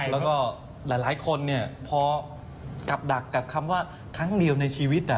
แล้วก็หลายคนพอกลับดักกับคำว่าครั้งเดียวในชีวิต